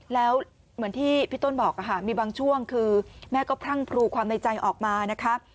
แล้วเหมือนที่พี่ต้นบอกมีบางช่วงคือแม่ก็พรั่งพรูความในใจออกมานะคะ